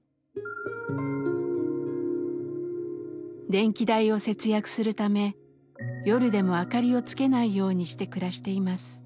電気代を節約するため夜でも明かりをつけないようにして暮らしています。